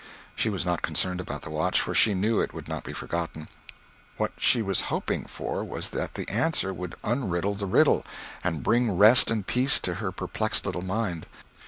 She was not concerned about the watch, for she knew it would not be forgotten. What she was hoping for was that the answer would unriddle the riddle, and bring rest and peace to her perplexed little mind.